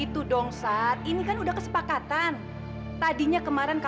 tungguin aku ya